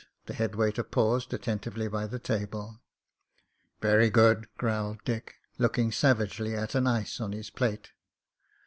The head waiter paused attentively by the table. "Very good," growled Dick, looking savagely at an ice on his plate.